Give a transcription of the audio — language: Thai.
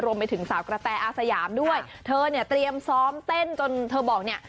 รวมไปถึงสาวกระแตอาสยามด้วยเธอเนี่ยเตรียมซ้อมเต้นจนเธอบอกเนี่ย